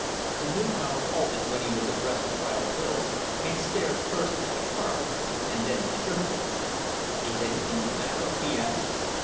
The new comer halted when he was abreast of wild Bill, and stared first at the cart and then at Shrimplin. "Is anything the matter?" he asked.